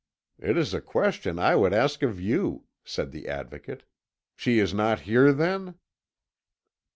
"It is a question I would ask of you," said the Advocate. "She is not here, then?"